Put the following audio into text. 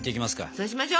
そうしましょ！